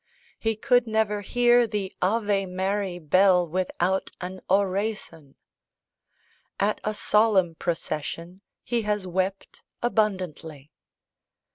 He could never "hear the Ave Mary! bell without an oraison." At a solemn procession he has "wept abundantly."